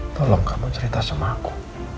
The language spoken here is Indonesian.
tolong kamu cerita sama aku